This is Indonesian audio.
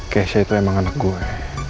keisha itu emang anak gue